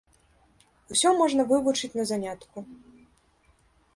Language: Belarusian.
Усё можна вывучыць на занятку.